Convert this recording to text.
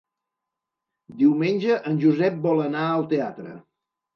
Diumenge en Josep vol anar al teatre.